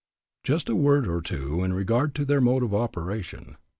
Just a word or two in regard to their mode of operation.